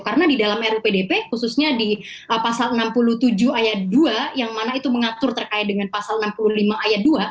karena di dalam ru pdp khususnya di pasal enam puluh tujuh ayat dua yang mana itu mengatur terkait dengan pasal enam puluh lima ayat dua